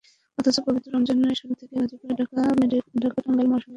অথচ পবিত্র রমজানের শুরু থেকেই গাজীপুরের ঢাকা-টাঙ্গাইল মহাসড়কে প্রতিদিন যানজট লেগে থাকছে।